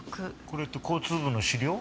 これって交通部の資料？